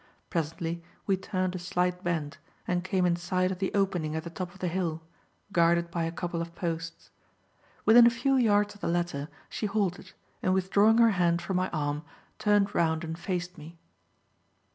Presently we turned a slight bend and came in sight of the opening at the top of the hill, guarded by a couple of posts. Within a few yards of the latter she halted, and withdrawing her hand from my arm, turned round and faced me.